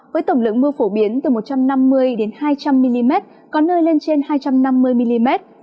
với tổng lượng mưa phổ biến từ một trăm năm mươi đến hai trăm linh mm có nơi lên trên hai trăm năm mươi mm